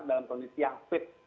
dalam kondisi yang fit